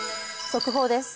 速報です。